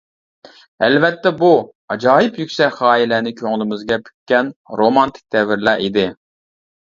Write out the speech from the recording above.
ئەلۋەتتە بۇ، ئاجايىپ يۈكسەك غايىلەرنى كۆڭلىمىزگە پۈككەن رومانتىك دەۋرلەر ئىدى.